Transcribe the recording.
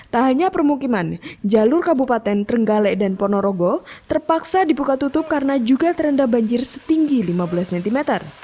tak hanya permukiman jalur kabupaten trenggale dan ponorogo terpaksa dibuka tutup karena juga terendam banjir setinggi lima belas cm